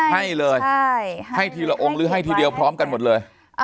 ให้เลยให้ทีละองค์หรือให้ทีเดียวพร้อมกันหมดเลย